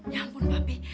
ya ampun papi